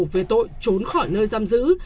về tội trốn khỏi nơi giam giữ